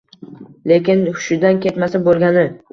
Lekin hushidan ketmasa bo‘lgani.